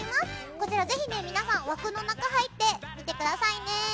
こちら、ぜひ皆さん枠の中に入ってきてください。